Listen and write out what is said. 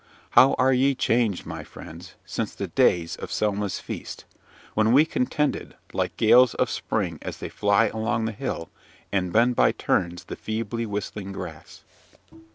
How are ye changed, my friends, since the days of Selma's feast! when we contended, like gales of spring as they fly along the hill, and bend by turns the feebly whistling grass.